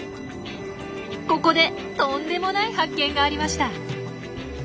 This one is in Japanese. ここでとんでもない発見がありました。